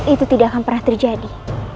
itu tidak akan pernah terjadi